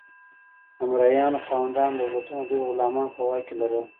د مرئیانو خاوندان دولتونه ډیر غلامان په واک کې لرل.